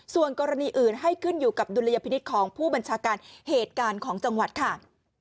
ส่วนกรณีอื่นให้ขึ้นอยู่กับดุลยพินิษฐ์ของผู้บัญชาการเหตุการณ์ของจังหวัดค่ะ